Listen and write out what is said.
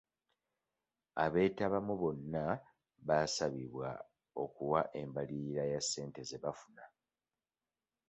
Abeetabamu bonna baasabibwa okuwa embalirira ya ssente ze baafuna.